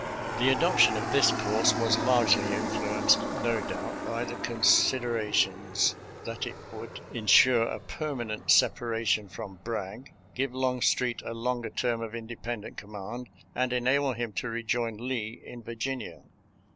The adoption of this course was largely influenced, no doubt, by the considera tions that it would insure a permanent separa tion from Bragg, give Longstreet a longer term of independent command, and enable him to re join Lee in Virginia.